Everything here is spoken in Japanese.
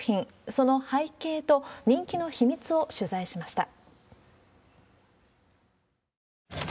その背景と、人気の秘密を取材しました。